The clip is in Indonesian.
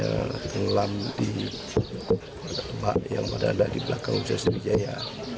mengelam di tempat yang pada ada di belakang universitas serugijaya